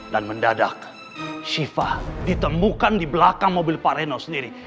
dan mendadak syifa ditemukan di belakang mobil pak reno sendiri